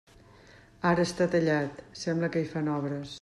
Ara està tallat, sembla que hi fan obres.